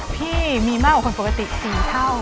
พี่มีมากกว่าคนปกติ๔เท่า